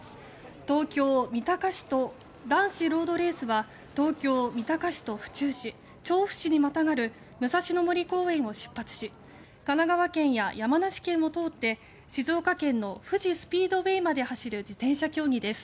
男子ロードレースは東京・三鷹市と府中市調布市にまたがる武蔵野の森公園を出発し神奈川県や山梨県を通って静岡県の富士スピードウェイまで走る自転車競技です。